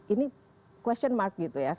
ini question mark gitu ya